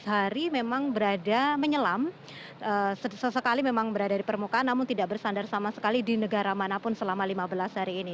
tujuh belas hari memang berada menyelam sesekali memang berada di permukaan namun tidak bersandar sama sekali di negara manapun selama lima belas hari ini